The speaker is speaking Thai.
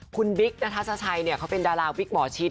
คุณบิ๊กนัทชัยเขาเป็นดาราวิกหมอชิด